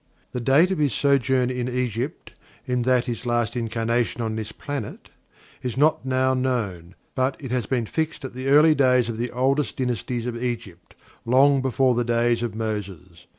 The date of his sojourn in Egypt, in that his last incarnation on this planet, is not now known, but it has been fixed at the early days of the oldest dynasties of Egypt long before the days of Moses.